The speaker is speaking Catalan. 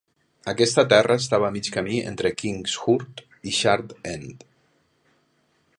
Aquesta terra estava a mig camí entre Kingshurst i Shard End.